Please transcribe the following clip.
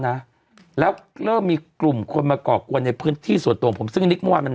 นะแล้วเริ่มมีกลุ่มคนมาก่อกวนในพื้นที่ส่วนตัวของผมซึ่งนิกเมื่อวานมัน